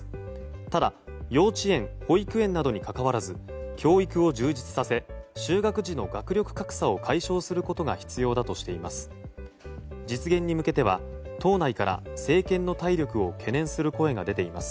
ただ、幼稚園、保育園などにかかわらず教育を充実させ就学時の学力格差を解消することが必要だとしています。